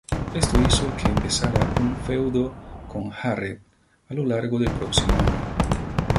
Esto hizo que empezara un feudo con Jarrett a lo largo del próximo año.